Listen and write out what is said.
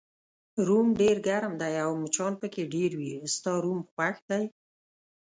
روم ډېر ګرم دی او مچان پکې ډېر وي، ستا روم خوښ دی؟